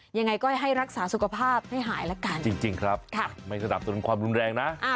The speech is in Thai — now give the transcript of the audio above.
ยังไงก็ให้รักษาสุขภาพให้หายละกันจริงครับไม่สนับสนุนความรุนแรงนะ